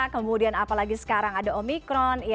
kemudian apalagi sekarang ada omikron